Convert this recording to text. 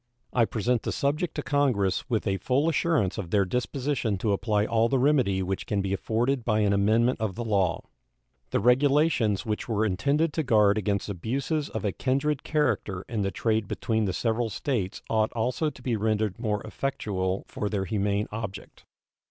I present the subject to Congress with a full assurance of their disposition to apply all the remedy which can be afforded by an amendment of the law. The regulations which were intended to guard against abuses of a kindred character in the trade between the several States ought also to be rendered more effectual for their humane object.